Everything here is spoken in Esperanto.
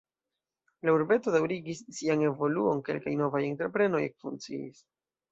La urbeto daŭrigis sian evoluon, kelkaj novaj entreprenoj ekfunkciis.